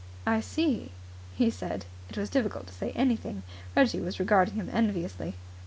"I see," he said. It was difficult to say anything. Reggie was regarding him enviously.